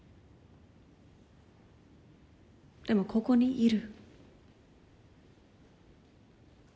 でもここにいる。